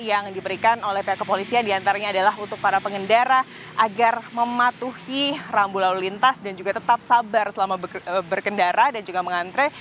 yang diberikan oleh pihak kepolisian diantaranya adalah untuk para pengendara agar mematuhi rambu lalu lintas dan juga tetap sabar selama berkendara dan juga mengantre